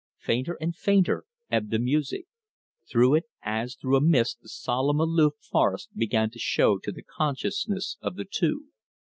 Fainter and fainter ebbed the music. Through it as through a mist the solemn aloof forest began to show to the consciousness of the two.